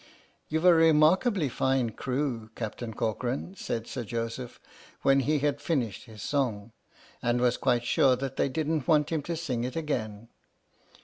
"You've a remarkably fine crew, Captain Cor coran," said Sir Joseph when he had finished his song, and was quite sure that they didn't want him to sing it again.